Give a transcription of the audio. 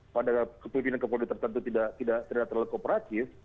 pada kepemimpinan kepolri tertentu tidak terlalu kooperatif